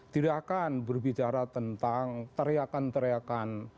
tidak akan berbicara tentang teriakan teriakan